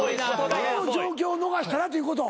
この状況を逃したらということ？